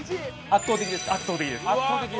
圧倒的です。